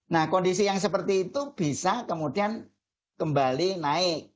nah kondisi yang seperti itu bisa kemudian kembali naik